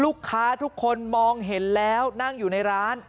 ทุกคนมองเห็นแล้วนั่งอยู่ในร้าน